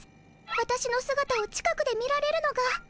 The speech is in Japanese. わたしのすがたを近くで見られるのが。